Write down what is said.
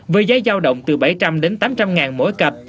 với giá giao động từ bảy trăm linh đến tám trăm linh ngàn mỗi cặp